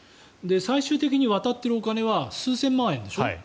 最終的に渡っているお金は数千万円でしょ。